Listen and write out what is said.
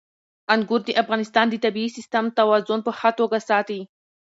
انګور د افغانستان د طبعي سیسټم توازن په ښه توګه ساتي.